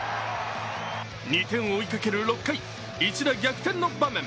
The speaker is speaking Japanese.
２点を追いかける６回、一打逆転の場面。